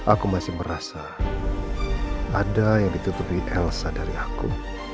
aku masih merasa ada yang ditutupi elsa dari aku